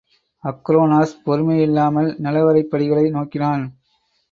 அக்ரோனோஸ் பொறுமையில்லாமல் நிலவறைப் படிகளை நோக்கினான்.